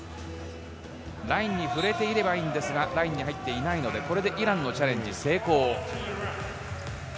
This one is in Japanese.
ラインに触れていればいいんですが、ラインに入っていないので、イランのチャレンジ成功。